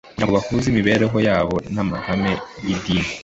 kugira ngo bahuze imibereho yabo n’amahame y’idini